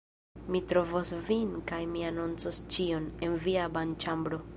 Mi trovos vin kaj mi anoncos ĉion... en via banĉambro...